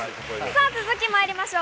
さあ、続きまいりましょう。